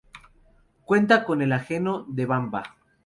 Cuenta con el anejo de Bamba.